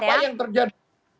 apa yang terjadi